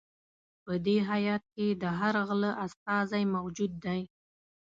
په دې هیات کې د هر غله استازی موجود دی.